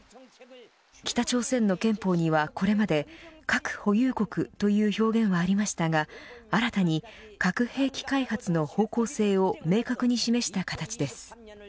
北朝鮮の憲法には、これまで核保有国という表現はありましたが新たに核兵器開発の方向性を明確に示した形です。